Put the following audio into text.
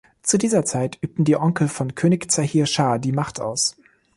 Zu dieser Zeit übten die Onkel von König Zahir Schah die Macht aus.